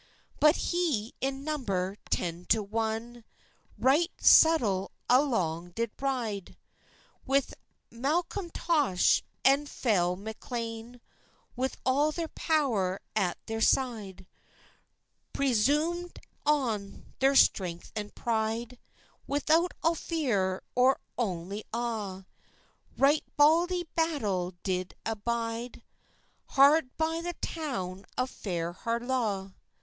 But he, in number ten to ane, Right subtilè alang did ryde, With Malcomtosch, and fell Maclean, With all thair power at thair syde; Presumeand on their strenth and pryde, Without all feir or ony aw, Richt bauldie battil did abyde, Hard by the town of fair Harlaw.